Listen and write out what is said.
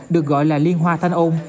được gọi là liên hoa thanh ôn